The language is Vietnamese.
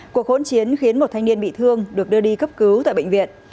cuộc hỗn chiến khiến một thanh niên bị thương được đưa đi cấp cứu tại bệnh viện